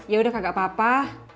yaudah kagak apa apa